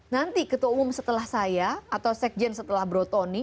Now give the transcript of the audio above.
nanti ketua umum setelah saya atau sekjen setelah brotoni